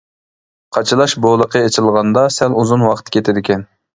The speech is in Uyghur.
قاچىلاش بولىقى ئېچىلغاندا سەل ئۇزۇن ۋاقىت كېتىدىكەن.